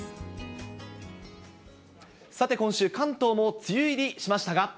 さて今週、関東も梅雨入りしましたが。